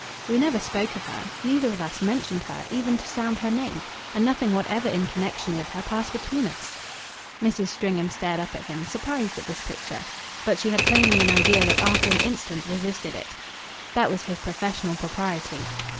"We never spoke of her. Neither of us mentioned her, even to sound her name, and nothing whatever in connexion with her passed between us." Mrs. Stringham stared up at him, surprised at this picture. But she had plainly an idea that after an instant resisted it. "That was his professional propriety."